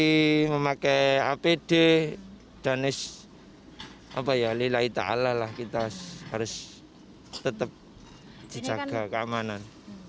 jadi memakai apd dan lillahi ta'ala lah kita harus tetap dijaga keamanan